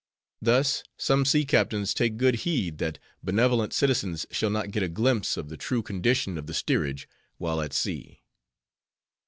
Thus, some sea captains take good heed that benevolent citizens shall not get a glimpse of the true condition of the steerage while at sea.